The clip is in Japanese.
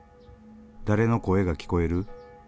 誰の声が聞こえる？